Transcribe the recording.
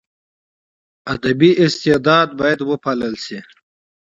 ادبي استعداد باید وپالل سي.